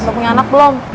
udah punya anak belum